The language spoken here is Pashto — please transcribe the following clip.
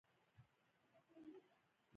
د دواړو حالتونو په لیدلو خوشالي کولای شې.